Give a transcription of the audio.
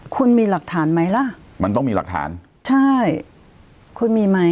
คุณมีหลักฐานไหมล่ะมันต้องมีหลักฐานใช่คุณมีไหม